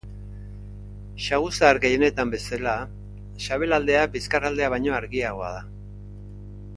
Saguzar gehienetan bezala, sabelaldea bizkarraldea baino argiagoa da.